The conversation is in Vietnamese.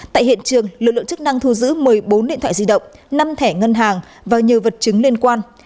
tại hiện trường lực lượng chức năng thu giữ một mươi bốn điện thoại di động năm thẻ ngân hàng và nhiều vật chứng liên quan